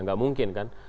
tidak mungkin kan